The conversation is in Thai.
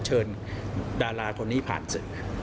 ชื่อนี้ผ่านสื่อ